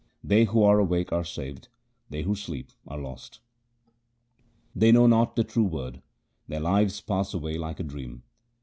They who are awake are saved, they who sleep are lost. 1 They know not the true Word; their lives pass away like a dream.